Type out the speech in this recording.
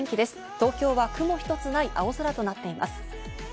東京は雲一つない青空となっています。